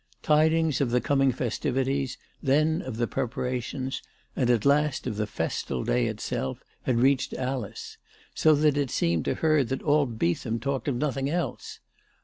Tidings of the coming festivities, then of the preparations, and at last of the festal day itself, had reached Alice, so that it seemed to her that all Beethani talked of nothing else.